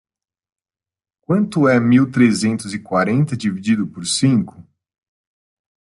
Quanto é mil trezentos e quarenta dividido por cinco?